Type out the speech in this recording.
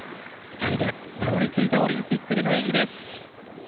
２人でたどり着いたオリンピックでの演技です。